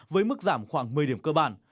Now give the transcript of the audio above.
với mức giảm khoảng một mươi điểm cơ bản